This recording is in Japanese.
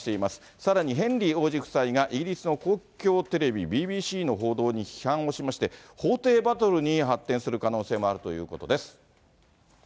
さらにヘンリー王子夫妻が、イギリスの公共テレビ、ＢＢＣの報道に批判をしまして、法廷バトルに発展する可能性もあるということです。